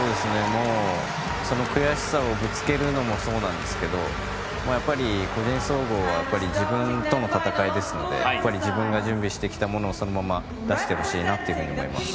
その悔しさをぶつけるのもそうなんですけどやっぱり個人総合は自分との戦いですので自分が準備してきたものをそのまま出してほしいなと思います。